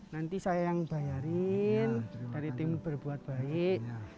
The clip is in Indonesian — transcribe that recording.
nanti saya yang bayarin dari tim berbuat baik